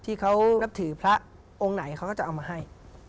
ที่เขานับถือพระองค์ไหนเขาก็จะเอามาให้